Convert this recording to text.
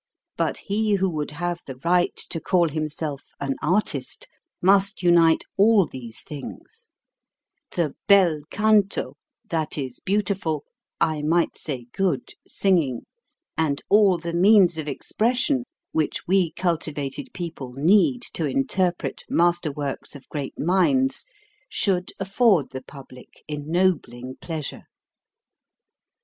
But he who would have the right to call himself an artist must unite all these things; the bel canto, that is, beautiful I might say good singing, and all the means of expression which we cultivated people need to interpret master ITALIAN AND GERMAN 225 works of great minds, should afford the public ennobling pleasure.